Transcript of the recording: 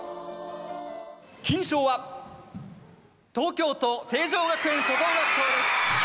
金賞は東京都成城学園初等学校です。